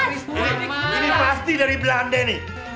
ini pasti dari belanda ini